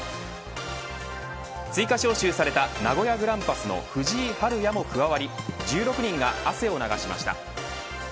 追加招集された名古屋グランパスの藤井陽也も加わり１６人が汗を流しました。